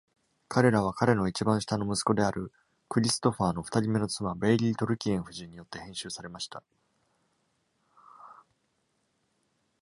彼らは、彼の一番下の息子であるクリストファーの二人目の妻ベイリー・トルキエン夫人によって編集されました。